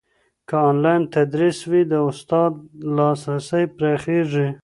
که انلاین تدریس وي، د استاد لاسرسی پراخېږي.